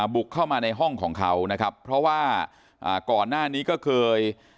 บุกเข้ามาในห้องของเขานะครับเพราะว่าก่อนหน้านี้ก็เคย